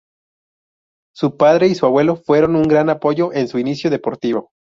Su padre y su abuelo fueron su gran apoyo en su inicio deportivo.